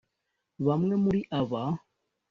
Bamwe muri aba